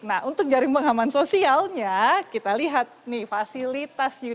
nah untuk jaring pengaman sosialnya kita lihat nih fasilitas unit